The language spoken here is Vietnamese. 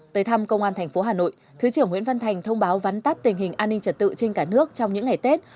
tới thăm công an tp hà nội thứ trưởng nguyễn văn thành thông báo vắn tắt tình hình an ninh trật tự trên cả nước trong những ngày tết